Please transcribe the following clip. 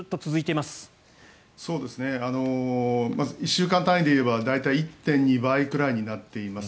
まず１週間単位でいえば大体１．２倍くらいになっています。